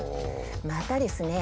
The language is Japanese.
またですね